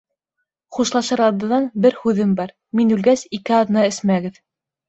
Хушлашыр алдынан бер һүҙем бар: мин үлгәс ике аҙна эсмәгеҙ.